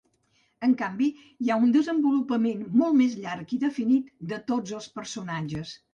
En canvi, hi ha un desenvolupament molt més llarg i definit de tots els personatges.